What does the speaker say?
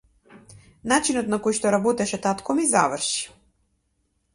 Начинот на кој што работеше татко ми заврши.